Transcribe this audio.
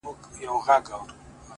• د ستن او تار خبري ډيري شې دي،